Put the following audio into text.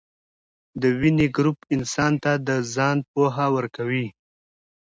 دویني ګروپ انسان ته د ځان پوهه ورکوي.